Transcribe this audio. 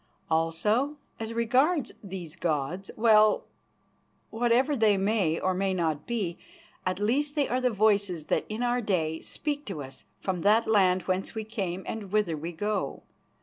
Also, as regards these gods well, whatever they may or may not be, at least they are the voices that in our day speak to us from that land whence we came and whither we go.